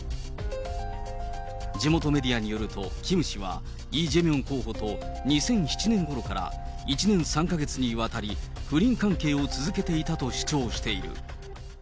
地元メディアによると、キム氏はイ・ジェミョン候補と２００７年ごろから１年３か月にわたり、不倫関係を続けていたと主張している。